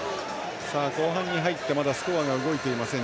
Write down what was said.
後半に入ってまだスコアが動いていません。